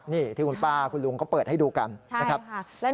นี่ที่คุณป้าคุณลุงก็เปิดให้ดูกัน